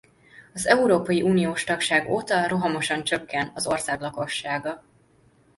Az európai uniós tagság óta rohamosan csökken az ország lakossága.